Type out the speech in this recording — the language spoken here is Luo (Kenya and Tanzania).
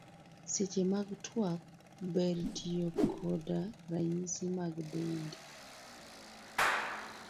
Seche mag twak, ber tiyo koda ranyisi mag dendi.